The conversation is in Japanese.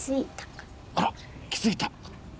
あらっ気づいた？